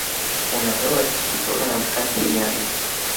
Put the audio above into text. Уныһы ла физкультуранан һәм химиянан.